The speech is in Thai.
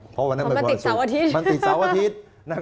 เพราะวันนั้นไปวันสุขมันติดเสาร์วันอาทิตย์